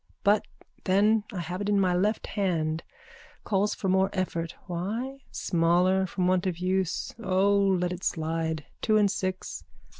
But then I have it in my left hand. Calls for more effort. Why? Smaller from want of use. O, let it slide. Two and six.